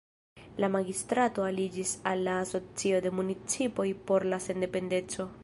La magistrato aliĝis al la Asocio de Municipoj por la Sendependeco.